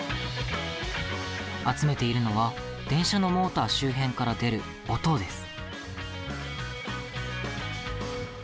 集めているのは電車のモーター周辺から出る音です。